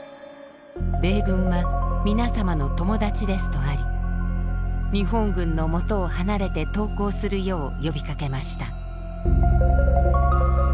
「米軍は皆様の友達です」とあり日本軍のもとを離れて投降するよう呼びかけました。